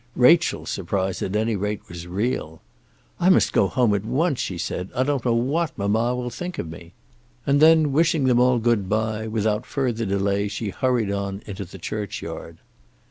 Rachel's surprise, at any rate, was real. "I must go home at once," she said; "I don't know what mamma will think of me." And then, wishing them all good bye, without further delay she hurried on into the churchyard.